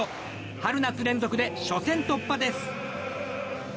春夏連続で初戦突破です。